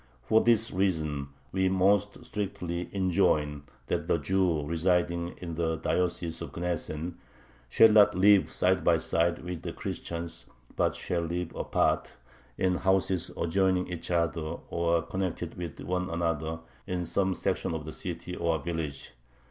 For this reason we most strictly enjoin that the Jews residing in the diocese of Gnesen shall not live side by side with the Christians, but shall live apart, in houses adjoining each other or connected with one another, in some section of the city or village.